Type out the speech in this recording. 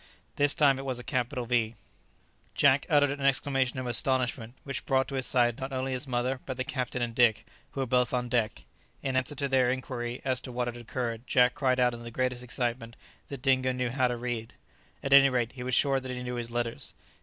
This time it was a capital V. Jack uttered an exclamation of astonishment which brought to his side not only his mother, but the captain and Dick, who were both on deck. In answer to their inquiry as to what had occurred, Jack cried out in the greatest excitement that Dingo knew how to read. At any rate he was sure that he knew his letters.